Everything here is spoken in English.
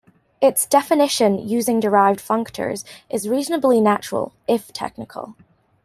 Its definition, using derived functors, is reasonably natural, if technical.